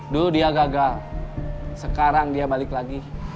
dulu dia gagal sekarang dia balik lagi